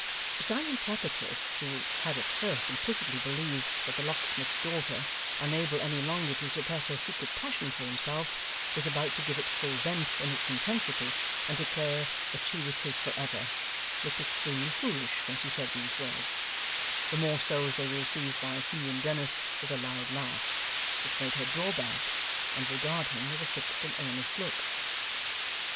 Simon Tappertit, who had at first implicitly believed that the locksmith's daughter, unable any longer to suppress her secret passion for himself, was about to give it full vent in its intensity, and to declare that she was his for ever, looked extremely foolish when she said these words; the more so, as they were received by Hugh and Dennis with a loud laugh, which made her draw back, and regard him with a fixed and earnest look.